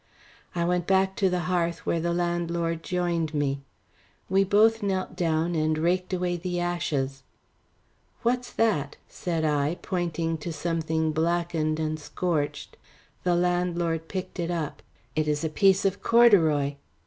I went back to the hearth where the landlord joined me. We both knelt down and raked away the ashes. "What's that?" said I, pointing to something blackened and scorched. The landlord picked it up. "It is a piece of corduroy."